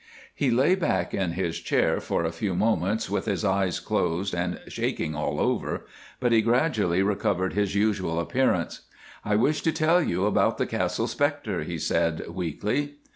He lay back in his chair for a few moments with his eyes closed and shaking all over, but he gradually recovered his usual appearance. "I wish to tell you about the Castle Spectre," he said, weakly.